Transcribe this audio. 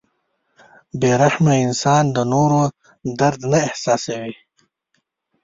• بې رحمه انسان د نورو درد نه احساسوي.